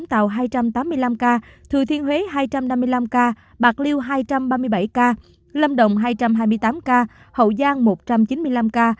tàu hai trăm tám mươi năm ca thừa thiên huế hai trăm năm mươi năm ca bạc liêu hai trăm ba mươi bảy ca lâm đồng hai trăm hai mươi tám ca hậu giang một trăm chín mươi năm ca